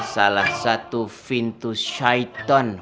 salah satu pintu syaitan